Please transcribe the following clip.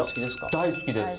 大好きです。